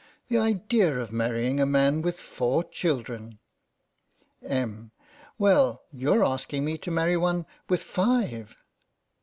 The idea of marrying a man with four children ! Em. : Well, you're asking me to marry one with five.